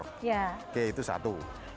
oke itu satu